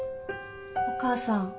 お母さん。